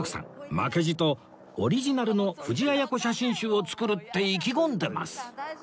負けじとオリジナルの藤あや子写真集を作るって意気込んでます